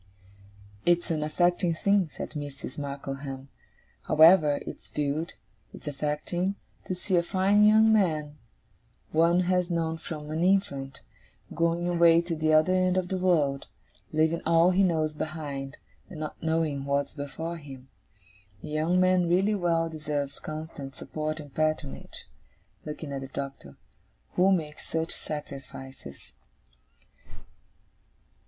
'It's an affecting thing,' said Mrs. Markleham 'however it's viewed, it's affecting, to see a fine young man one has known from an infant, going away to the other end of the world, leaving all he knows behind, and not knowing what's before him. A young man really well deserves constant support and patronage,' looking at the Doctor, 'who makes such sacrifices.